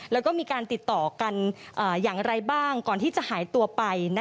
แล้วก็มีการติดต่อกันอย่างไรบ้างก่อนที่จะหายตัวไป